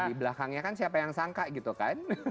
di belakangnya kan siapa yang sangka gitu kan